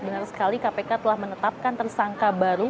benar sekali kpk telah menetapkan tersangka baru